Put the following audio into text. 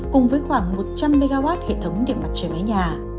cùng với khoảng một trăm linh mw hệ thống điện mặt trời mái nhà